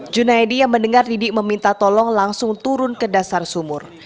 junaidi yang mendengar didik meminta tolong langsung turun ke dasar sumur